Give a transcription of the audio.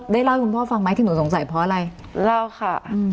ได้เล่าให้คุณพ่อฟังไหมที่หนูสงสัยเพราะอะไร